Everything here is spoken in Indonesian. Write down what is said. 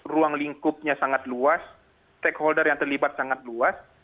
ruang lingkupnya sangat luas stakeholder yang terlibat sangat luas